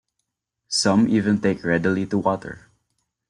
Some even take readily to water.